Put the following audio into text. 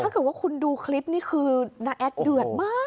ถ้าเกิดว่าคุณดูคลิปนี่คือน้าแอดเดือดมาก